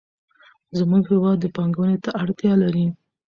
زموږ هېواد پانګونې ته اړتیا لري.